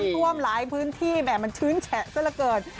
มีฝนตกน้ำท่วมหลายพื้นที่แบบมันชื้นแฉะซะละเกิน